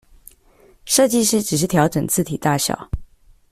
設計師只是調整字體大小